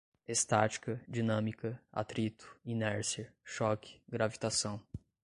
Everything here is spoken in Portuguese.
Estática, dinâmica, atrito, inércia, choque, gravitação